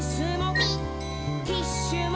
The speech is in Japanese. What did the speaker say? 「ピッ」「ティッシュも」